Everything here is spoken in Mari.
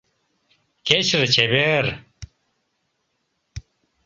Кечыже чевер.